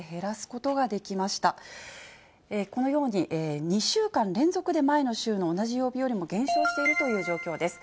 このように、２週間連続で前の週の同じ曜日よりも減少しているという状況です。